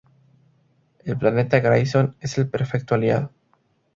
El planeta Grayson es el perfecto aliado.